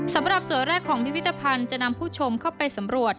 สำหรับสวยแรกของพิพิธภัณฑ์จะนำผู้ชมเข้าไปสำรวจ